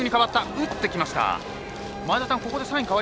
打ってきました。